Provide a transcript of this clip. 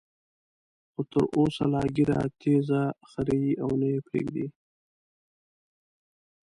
خو تر اوسه لا ږیره تېزه خرېي او نه یې پریږدي.